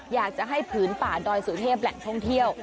อยากจะให้ผืนป่าดอยสุเทพแหล่งท่องเที่ยว